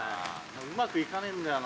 うまく行かねえんだよな。